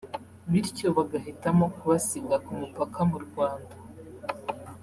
bityo bagahitamo kubasiga ku mupaka mu Rwanda